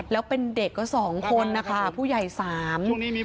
แล้วเป็นเด็กก็สองคนนะคะผู้ใหญ่สาม